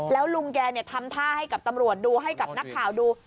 แล้วลุงแกทำท่าให้กับตำรวจดูให้กับนักข่าวดู